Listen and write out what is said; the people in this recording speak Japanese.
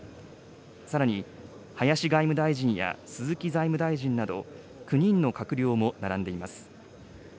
さらに、林外務大臣や、鈴木財務大臣など９人の閣僚も並んでいます。